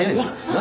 何？